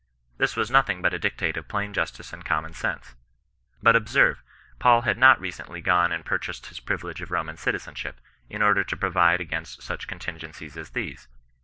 This was nothing but a dictate of plain justice and common senfle. But observe, Paul had not recently gone and purchased his privilege of Roman citizenship, in order to provide against such contingencies as theee..